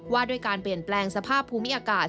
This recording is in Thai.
ว่าด้วยการเปลี่ยนแปลงสภาพภูมิอากาศ